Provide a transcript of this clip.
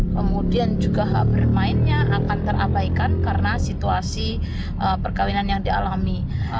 kemudian juga hak bermainnya akan terabaikan karena situasi perkawinan yang dialami